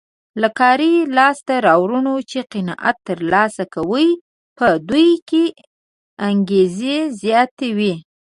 له کاري لاسته راوړنو چې قناعت ترلاسه کوي په دوی کې انګېزه زیاتوي.